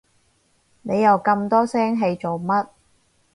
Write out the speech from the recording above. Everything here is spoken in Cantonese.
你又咁多聲氣做乜？